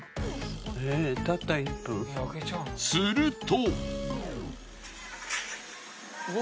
すると。